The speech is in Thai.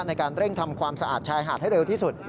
ในการเร่งทำความสะอาดชายหาดให้เร็วที่สุด